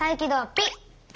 ピッ！